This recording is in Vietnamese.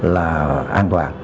là an toàn